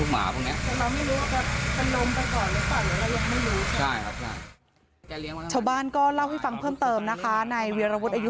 ชาวบ้านก็เล่าให้ฟังเพิ่มเติมนะคะในเวียรวุฒิอายุ